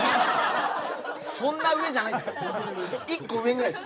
そんな上じゃないです。